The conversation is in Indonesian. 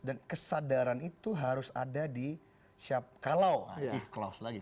dan kesadaran itu harus ada di siapkalau if clause lagi